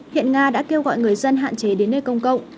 hiện nga đã kêu gọi người dân hạn chế đến nơi công cộng